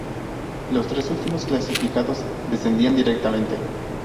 Los tres últimos clasificados descendían directamente.